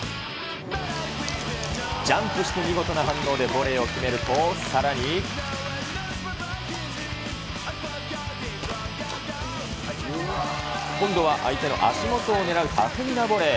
ジャンプして見事な反応でボレーを決めると、さらに。今度は相手の足元を狙う巧みなボレー。